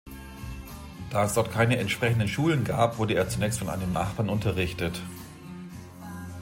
Da es dort keine entsprechenden Schulen gab, wurde er zunächst von einem Nachbarn unterrichtet.